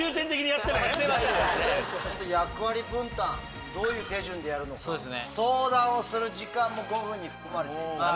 役割分担どういう手順でやるのか相談をする時間も５分に含まれています。